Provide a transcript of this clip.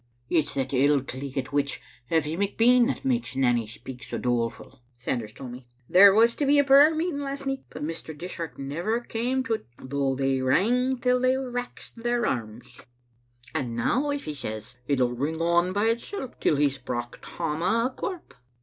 " It's that ill cleakit witch, Effie McBean, that makes Nanny speak so doleful," Sanders told me. "There was to be a prayer meeting last nicht, but Mr. Dishart never came to 't, though they rang till they wraxed their arms; and now Effie says it'll ring on by itsel' till he's brocht hame a corp.